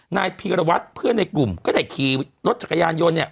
นายพีรวัตรเพื่อนในกลุ่มก็ได้ขี่รถจักรยานยนต์เนี่ย